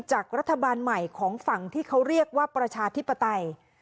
จากรัฐบาลใหม่ของฝั่งที่เขาเรียกว่าประชาธิปไตย